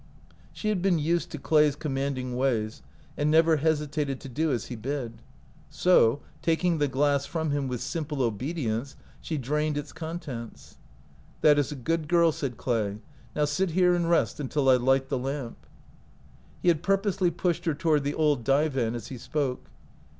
She had been used to Clay's commanding ways, and never hesitated to do as he bid ; 158 OUT OF BOHEMIA x so, taking the glass from him with simple obedience, she drained its contents. "That is a good girl," said Clay; "now sit here and rest until I light the lamp." He had purposely pushed her toward the old divan as he spoke.